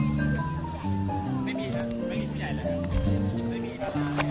เดี๋ยวเรานะคะจะไปฟังเสียงของประชาชนกันค่ะ